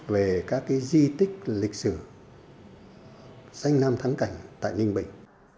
về các di tích lịch sử danh nam thắng cảnh tại ninh bình